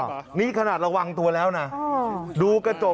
ทำไมคงคืนเขาว่าทำไมคงคืนเขาว่า